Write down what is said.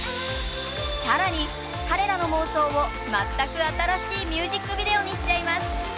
更に彼らの妄想を全く新しいミュージックビデオにしちゃいます！